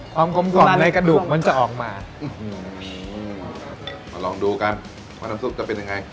กลมกล่อมในกระดูกมันจะออกมามาลองดูกันว่าน้ำซุปจะเป็นยังไง